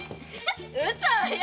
ウソよ！